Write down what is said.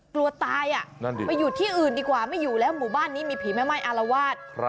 กลัวตายไปอยู่ที่อื่นดีกว่าไม่อยู่แล้วหมู่บ้านนี้มีผีแม่ไม้อารวาส